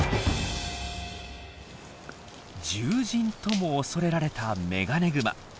獣人とも恐れられたメガネグマ。